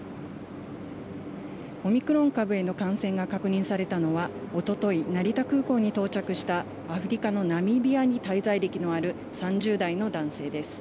オミクロン株への感染が確認されたのはおととい、成田空港に到着したアフリカのナミビアに滞在歴のある３０代の男性です。